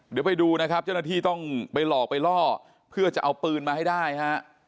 เดี๋ยวไปดูนะครับเจ้าหน้าที่ต้องไปหลอกไปล่อเพื่อจะเอาปืนมาให้ได้ฮะ